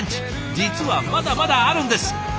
実はまだまだあるんです。